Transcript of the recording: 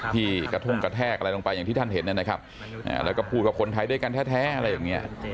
ที่กระทงกระแทกอะไรลงไปอย่างที่ท่านเห็นนะครับแล้วก็พูดกับคนไทยด้วยกันแท้อะไรอย่างนี้